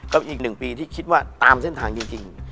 ก็เป็นอีกหนึ่งปีที่คิดว่าตามเส้นทางจริง